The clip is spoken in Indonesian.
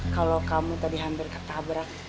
kalau kamu tadi hampir ketabrak